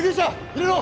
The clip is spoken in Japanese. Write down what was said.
入れろ！